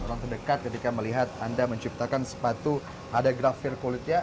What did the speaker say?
orang terdekat ketika melihat anda menciptakan sepatu ada grafir kulitnya